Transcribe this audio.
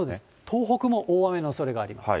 東北も大雨のおそれがあります。